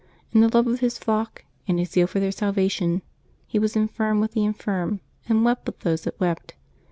In the love of his flock and his zeal for their salvation he was infirm with the infirm, and wept with those that wept.